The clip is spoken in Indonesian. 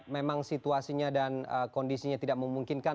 memang situasinya dan kondisinya tidak memungkinkan